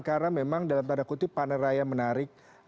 karena memang dalam tanda kutip panen raya menarik